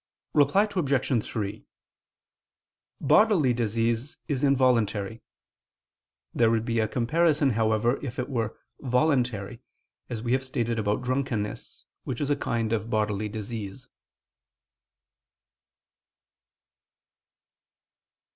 Reply Obj. 3: Bodily disease is involuntary: there would be a comparison, however, if it were voluntary, as we have stated about drunkenness, which is a kind of bodily disease.